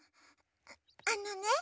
あのね